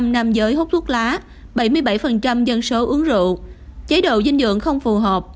bốn mươi năm nam giới hút thuốc lá bảy mươi bảy dân số uống rượu chế độ dinh dưỡng không phù hợp